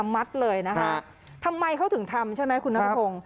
มัดเลยนะคะทำไมเขาถึงทำใช่ไหมคุณนัทพงศ์